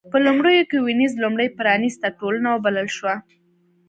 په لومړیو کې وینز لومړۍ پرانېسته ټولنه وبلل شوه.